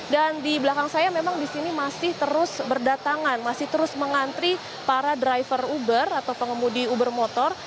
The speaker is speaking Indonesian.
dan di belakang saya memang di sini masih terus berdatangan masih terus mengantri para driver uber atau pengemudi uber motor